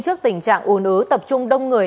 trước tình trạng ồn ứ tập trung đông người